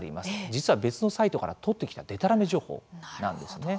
実は、別のサイトから取ってきたでたらめ情報なんですね。